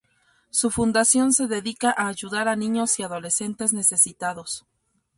Su fundación se dedica a ayudar a niños y adolescentes necesitados.